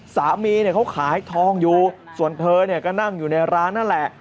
สามีเขาขายทองอยู่ส่วนเธอก็นั่งอยู่ในร้านนั่นแหละ